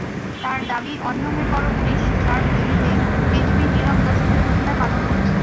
তাঁর দাবি, অনিয়মের পরও পুলিশ, র্যাব, বিজিবি নীরব দর্শকের ভূমিকা পালন করেছে।